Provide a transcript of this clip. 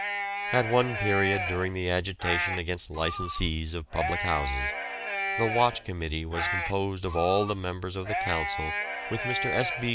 At one period during the agitation against licensees of public houses, the Watch Committee was composed of all the members of the Council with Mr. S. B.